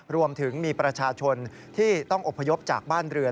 รวมถึงมีประชาชนที่ต้องอบพยพจากบ้านเรือน